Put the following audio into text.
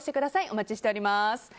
お待ちしております。